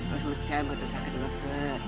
butuh muda butuh sakit bebek